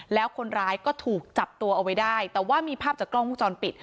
แล้วคนร้ายก็ถูกจับตัวเอาไว้ได้แต่ว่ามีภาพจากกล้องวงจรปิด